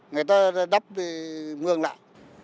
người ta đắp thì ngương lại